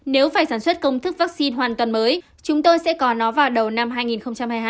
nếu phải sản xuất công thức vaccine hoàn toàn mới chúng tôi sẽ có nó vào đầu năm hai nghìn hai mươi hai